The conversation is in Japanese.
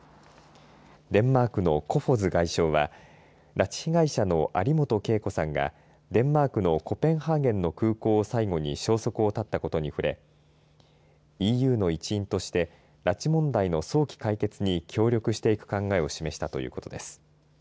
デンマークのコフォズ外相は拉致被害者の有本恵子さんがデンマークのコペンハーゲンの空港を最後に消息を絶ったことに触れＥＵの一員として拉致問題の早期解決に協力していく考えを示したということです。